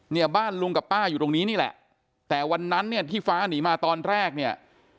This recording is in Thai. เนี่ยบ้านลุงกับป้าอยู่ตรงนี้นี่แหละแต่วันนั้นเนี่ยที่ฟ้าหนีมาตอนแรกเนี่ย